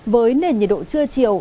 với nền nhiệt độ trưa chiều